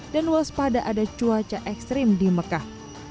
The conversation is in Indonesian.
dan waspada ada cuaca ekstrim di mekah